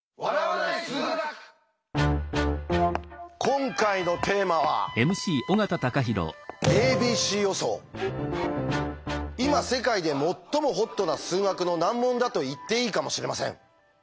今回のテーマは今世界で最もホットな数学の難問だと言っていいかもしれません。